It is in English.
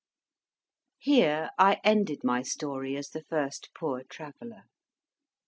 Here I ended my story as the first Poor Traveller.